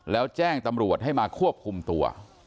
แล้วแจ้งตำรวจให้มาควบคุมตัว